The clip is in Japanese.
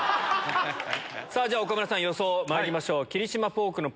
さぁ岡村さん予想まいりましょう。